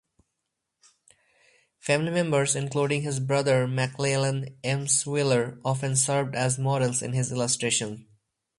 Family members, including his brother Maclellan Emshwiller, often served as models in his illustrations.